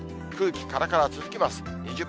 空気からから続きます。